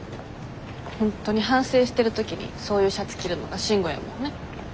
本当に反省してる時にそういうシャツ着るのが慎吾やもんね。